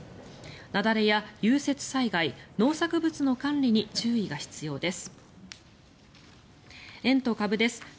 雪崩や融雪災害、農作物の管理に注意が必要です。